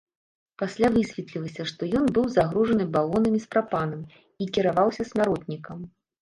Пасля высветлілася, што ён быў загружаны балонамі з прапанам і кіраваўся смяротнікам.